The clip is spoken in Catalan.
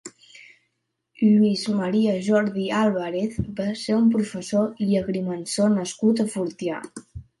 Lluís Maria Jordi Álvarez va ser un professor i agrimensor nascut a Fortià.